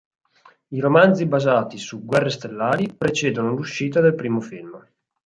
I romanzi basati su "Guerre stellari" precedono l'uscita del primo film.